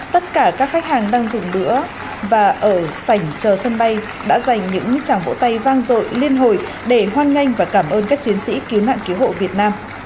tất cả các khách hàng đang dùng lửa và ở sảnh chờ sân bay đã dành những tràng vỗ tay vang dội liên hội để hoan nganh và cảm ơn các chiến sĩ cứu nạn kế hộ việt nam